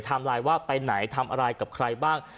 ไลน์ว่าไปไหนทำอะไรกับใครบ้าง